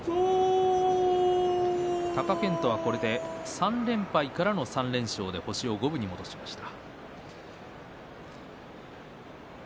貴健斗は、これで３連敗からの３連勝で星を五分に戻しました。